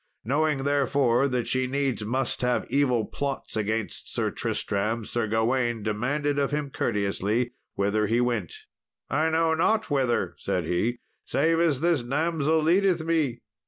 Knowing, therefore, that she needs must have evil plots against Sir Tristram, Sir Gawain demanded of him courteously whither he went. "I know not whither," said he, "save as this damsel leadeth me."